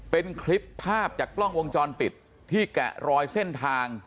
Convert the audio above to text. เป็นคลิปภาพจากกล้องวงจรปิดที่แกะรอยเส้นทาง